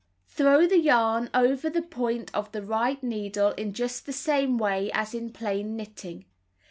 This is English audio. Cut Throw the yarn over the point of the right needle in just the same way as in plain knitting.